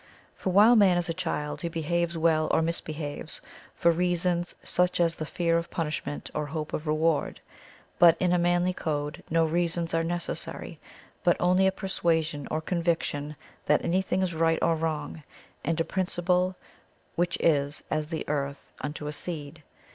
For while man is a child he behaves well, or misbehaves, for reasons such as the fear of punishment or hope of reward, but in a manly code no reasons are necessary but only a persuasion or conviction that anything is right or wrong, and a principle which is as the earth unto a seed.